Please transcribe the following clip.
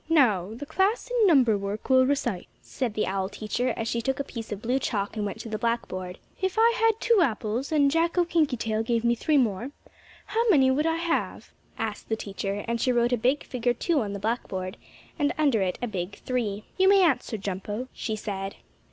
"Now the class in number work will recite," said the owl teacher, as she took a piece of blue chalk and went to the blackboard. "If I had two apples, and Jacko Kinkytail gave me three more, how many would I have?" asked the teacher, and she wrote a big figure 2 on the blackboard, and under it a big 3. "You may answer, Jumpo," she said.